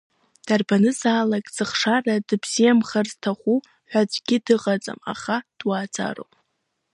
Дарбанзаалак зыхшара дыбзиамхар зҭаху ҳәа аӡәгьы дыҟаӡам, аха дуааӡароуп.